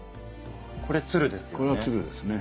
これ鶴ですよね。